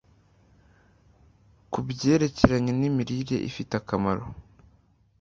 ku byerekeranye nimirire ifite akamaro